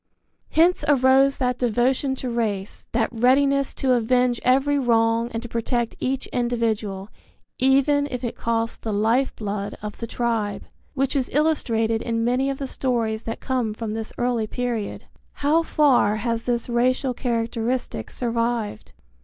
Hence arose that devotion to race, that readiness to avenge every wrong and to protect each individual, even if it cost the life blood of the tribe, which is illustrated in many of the stories that come from this early period. How far has this racial characteristic survived?